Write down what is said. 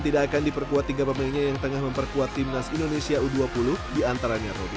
tidak akan diperkuat tiga pemainnya yang tengah memperkuat timnas indonesia u dua puluh diantaranya roby